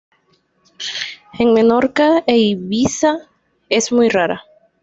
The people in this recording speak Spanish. En Menorca e Ibiza es muy rara.